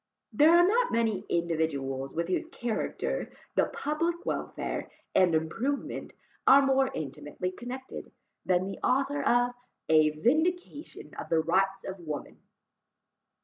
There are not many individuals with whose character the public welfare and improvement are more intimately connected, than the author of A Vindication of the Rights of Woman.